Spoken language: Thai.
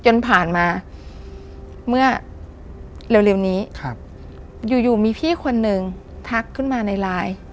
จนผ่านมาเมื่อเร็วนี้ครับอยู่อยู่มีพี่คนหนึ่งทักขึ้นมาในไลน์